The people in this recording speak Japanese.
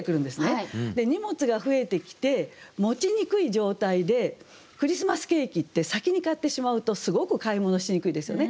荷物が増えてきて持ちにくい状態でクリスマスケーキって先に買ってしまうとすごく買い物しにくいですよね。